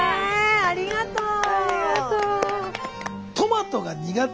ありがとう。